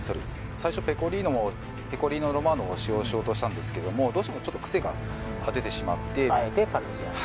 最初ペコリーノをペコリーノ・ロマーノを使用しようとしたんですけれどもどうしてもちょっとクセが出てしまってあえてパルミジャーノ？